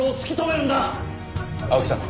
青木さん。